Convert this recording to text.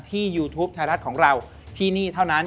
ยูทูปไทยรัฐของเราที่นี่เท่านั้น